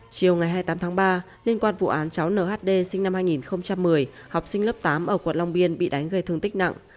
chiều ngày hai mươi tám tháng ba liên quan vụ án cháu nhd sinh năm hai nghìn một mươi học sinh lớp tám ở quận long biên bị đánh gây thương tích nặng